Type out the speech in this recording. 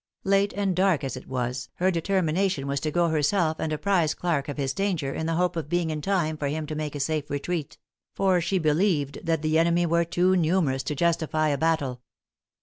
Late and dark as it was, her determination was to go herself and apprize Clarke of his danger, in the hope of being in time for him to make a safe retreat; for she believed that the enemy were too numerous to justify a battle.